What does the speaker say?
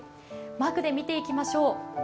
マークで見ていきましょう。